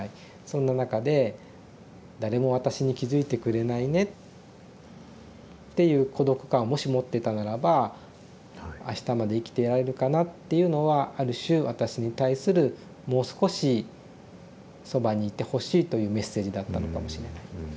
そんな中で「誰も私に気付いてくれないね」っていう孤独感をもし持ってたならば「あしたまで生きていられるかな」っていうのはある種私に対する「もう少しそばにいてほしい」というメッセージだったのかもしれない。